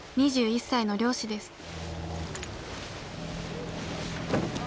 ２１歳の漁師です。